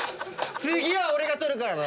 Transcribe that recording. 次は俺が取るからな！